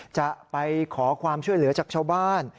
จะไปขอความช่วยเหลือจากชาวบ้าน